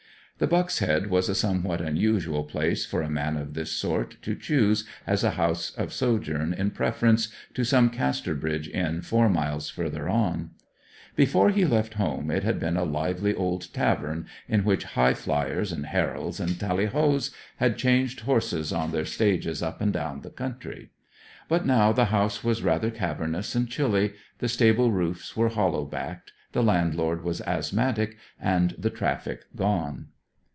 The Buck's Head was a somewhat unusual place for a man of this sort to choose as a house of sojourn in preference to some Casterbridge inn four miles further on. Before he left home it had been a lively old tavern at which High flyers, and Heralds, and Tally hoes had changed horses on their stages up and down the country; but now the house was rather cavernous and chilly, the stable roofs were hollow backed, the landlord was asthmatic, and the traffic gone.